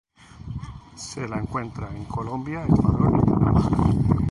Se la encuentra en Colombia, Ecuador, y Panamá.